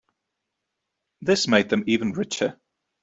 This made them even richer.